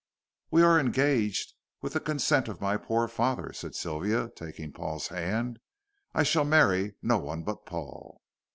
"We are engaged with the consent of my poor father," said Sylvia, taking Paul's hand. "I shall marry no one but Paul."